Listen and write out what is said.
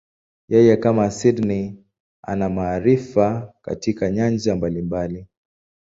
Yeye, kama Sydney, ana maarifa katika nyanja mbalimbali.